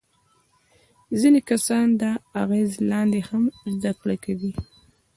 ځینې کسان د اغیز لاندې هم زده کړه کوي.